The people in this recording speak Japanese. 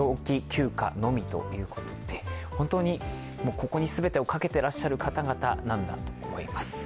ここに全てをかけてらっしゃる方々なんだと思います。